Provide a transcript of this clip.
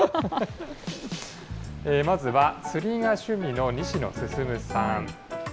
まずは釣りが趣味の西野進さん。